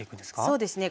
そうですね。